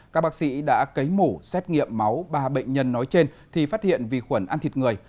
các bác sĩ đã cấy mổ xét nghiệm máu ba bệnh nhân nói trên thì phát hiện vi khuẩn ăn thịt người